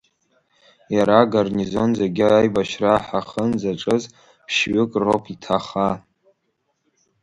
Иара агарнизон загьы, аибашьра ҳахынӡаҿыз, ԥшьҩык роп иҭаха.